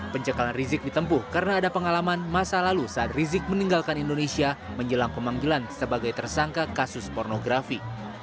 pencekalan rizik ditempuh karena ada pengalaman masa lalu saat rizik meninggalkan indonesia menjelang pemanggilan sebagai tersangka kasus pornografi